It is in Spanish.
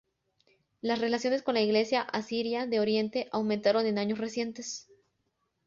Las relaciones con la Iglesia asiria de Oriente aumentaron en años recientes.